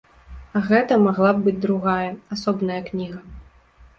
А гэта магла б быць другая, асобная кніга.